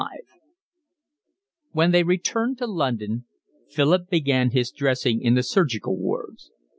XCV When they returned to London Philip began his dressing in the surgical wards.